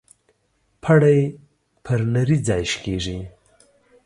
پړى پر نري ځاى شکېږي.